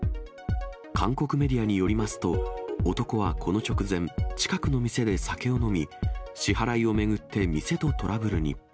韓国メディアによりますと、男はこの直前、近くの店で酒を飲み、支払いを巡って店とトラブルに。